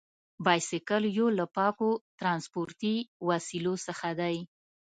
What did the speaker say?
بایسکل یو له پاکو ترانسپورتي وسیلو څخه دی.